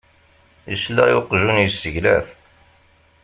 Yesla i uqjun yesseglaf.